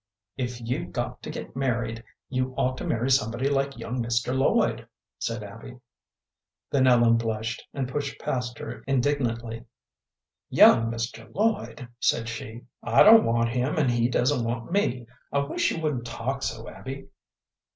"If you've got to get married, you ought to marry somebody like young Mr. Lloyd," said Abby. Then Ellen blushed, and pushed past her indignantly. "Young Mr. Lloyd!" said she. "I don't want him, and he doesn't want me. I wish you wouldn't talk so, Abby."